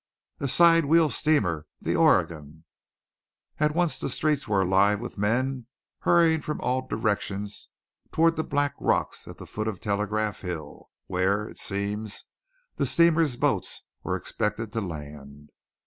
"A side wheel steamer! The Oregon!" At once the streets were alive with men hurrying from all directions toward the black rocks at the foot of Telegraph Hill, where, it seems, the steamer's boats were expected to land.